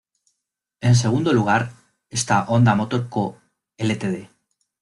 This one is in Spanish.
En segundo lugar está Honda Motor Co., Ltd.